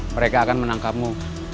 mereka akan menangkapmu